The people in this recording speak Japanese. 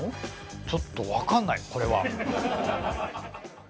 ちょっとわからないこれは。